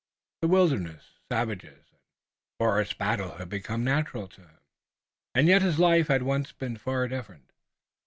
The wilderness, savages and forest battle had become natural to him, and yet his life had once been far different.